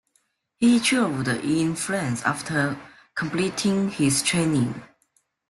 He travelled in France after completing his training.